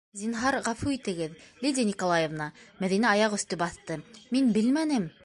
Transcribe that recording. Зинһар, ғәфү итегеҙ, Лидия Николаевна, - Мәҙинә аяғөҫтө баҫты, - мин белмәнем...